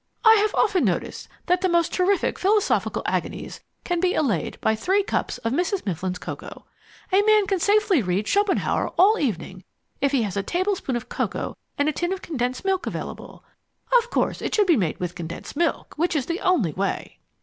I have often noticed that the most terrific philosophical agonies can be allayed by three cups of Mrs. Mifflin's cocoa. A man can safely read Schopenhauer all evening if he has a tablespoonful of cocoa and a tin of condensed milk available. Of course it should be made with condensed milk, which is the only way."